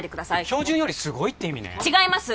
標準よりすごいって意味ね違います